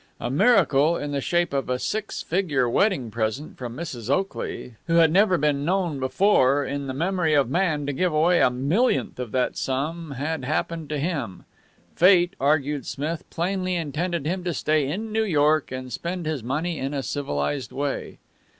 A miracle, in the shape of a six figure wedding present from Mrs. Oakley, who had never been known before, in the memory of man, to give away a millionth of that sum, had happened to him. Fate, argued Smith, plainly intended him to stay in New York and spend his money in a civilized way.